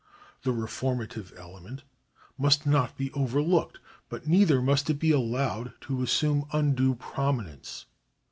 The reformative element must not be overlooked, but neither must it be allowed to assume undue prominence.